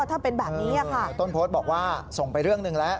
ถ้าเป็นแบบนี้ค่ะต้นโพสต์บอกว่าส่งไปเรื่องหนึ่งแล้ว